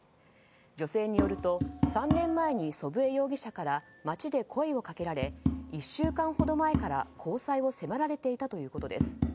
女性によると、３年前に祖父江容疑者から街で声をかけられ１週間ほど前から交際を迫られていたということです。